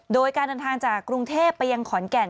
โดยการเดินทางจากกรุงเทพไปยังขอนแก่น